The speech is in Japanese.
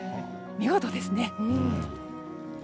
見事ですね。